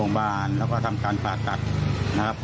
ขายของมีอาการหน้ามืด